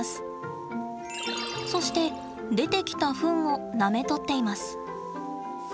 そして出てきたフンをなめとっています。